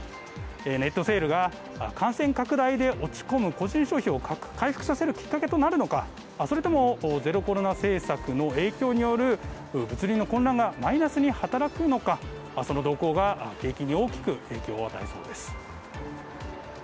ネットセールが感染拡大で落ち込む個人消費を回復させるきっかけとなるのかそれともゼロコロナ政策の影響による物流の混乱がマイナスに働くのかその動向が景気に大きく影響を与えそうです。